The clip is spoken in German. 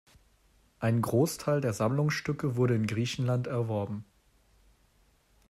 Ein Großteil der Sammlungsstücke wurde in Griechenland erworben.